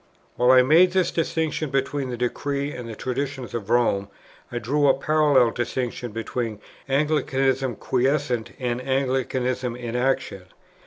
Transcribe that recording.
While I made this distinction between the decrees and the traditions of Rome, I drew a parallel distinction between Anglicanism quiescent, and Anglicanism in action.